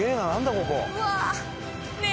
ここ？